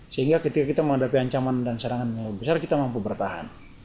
sehingga ketika kita menghadapi ancaman dan serangan yang besar kita mampu bertahan